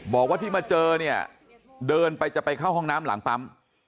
บอกว่าที่มาเจอเนี่ยเดินไปจะไปเข้าห้องน้ำหลังปั๊ม